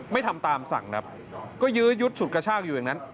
ทำตามสั่งครับก็ยื้อยุดฉุดกระชากอยู่อย่างนั้น